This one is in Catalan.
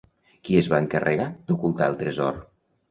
Qui es va encarregar d'ocultar el tresor?